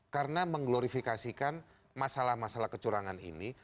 karena mengglorifikasikan masalah masalah kecurangan ini